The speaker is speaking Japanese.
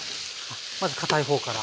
まずかたい方から。